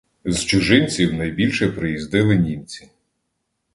З чужинців найбільше приїздили німці.